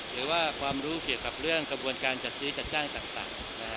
หรือว่าความรู้เกี่ยวกับเรื่องกระบวนการจัดซื้อจัดจ้างต่าง